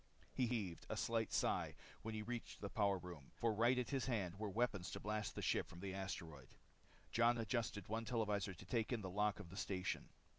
He heaved a slight sigh when he reached the power room, for right at his hand were weapons to blast the ship from the asteroid. Jon adjusted one televisor to take in the lock to the station.